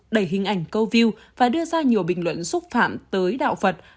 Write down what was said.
đẩy hình ảnh câu view và đưa ra nhiều bình luận xúc phạm tới đạo phật